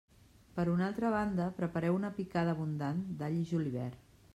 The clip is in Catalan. Per una altra banda, prepareu una picada abundant d'all i julivert.